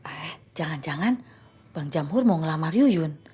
eh jangan jangan bang jamur mau ngelamar yuyun